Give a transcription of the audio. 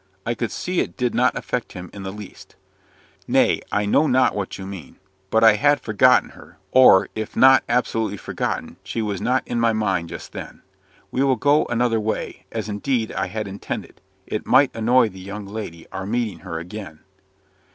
I could see it did not affect him in the least. "Nay, I know what you mean; but I had forgotten her, or, if not absolutely forgotten, she was not in my mind just then. We will go another way, as indeed I had intended: it might annoy the young lady, our meeting her again."